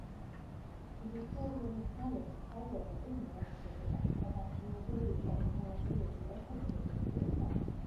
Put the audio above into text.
ლოთლორიენის ძალებს საურონი წინ ვერ აღუდგებოდა და დარწმუნებული იყო, რომ გალადრიელი ერთ-ერთ ბეჭედს ფლობდა.